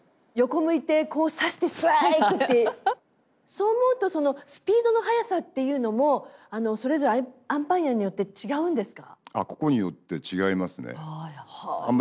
そう思うとスピードの速さっていうのもそれぞれアンパイアによって違うんですか？